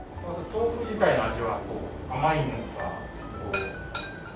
豆腐自体の味は甘いのか香り。